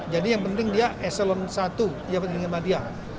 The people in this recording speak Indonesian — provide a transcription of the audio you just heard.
jadi yang penting dia eselon i pejabat pemimpinan tinggi media